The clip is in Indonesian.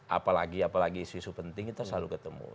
apalagi apalagi isu isu penting kita selalu ketemu